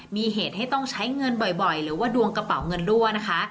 มีเหตุให้ต้องใช้เงินบ่อยหรือว่าดวงกระเป๋าเงินรั่วนะคะ